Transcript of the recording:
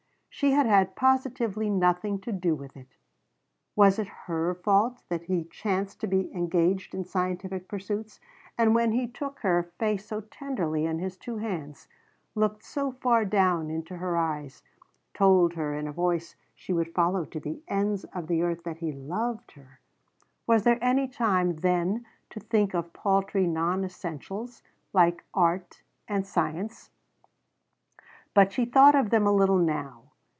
She had had positively nothing to do with it! Was it her fault that he chanced to be engaged in scientific pursuits? And when he took her face so tenderly in his two hands looked so far down into her eyes and told her in a voice she would follow to the ends of the earth that he loved her was there any time then to think of paltry non essentials like art and science? But she thought of them a little now.